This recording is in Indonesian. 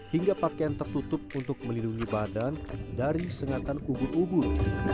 hingga pakaian tertutup untuk melindungi badan dari sengatan ubur ubur